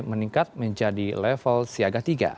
meningkat menjadi level siaga tiga